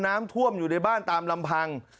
น้ำท่วมอยู่ในบ้านตามลำพัง